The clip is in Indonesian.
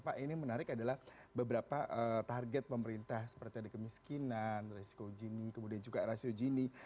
pak ini menarik adalah beberapa target pemerintah seperti ada kemiskinan resiko gini kemudian juga rasio gini